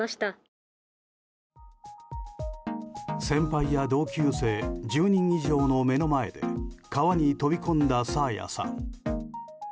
先輩や同級生１０人以上の目の前で川に飛び込んだ爽彩さん。